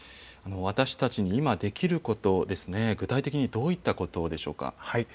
私たちに今できること、具体的にどういったことでしょうか。